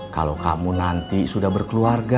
kalau kamu nanti sudah berkeluarga